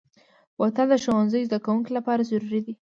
بوتل د ښوونځي زدهکوونکو لپاره ضروري دی.